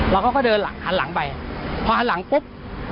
แล้วก็เขาเดินหันหลังไปเพราะหันหลังปุ๊บ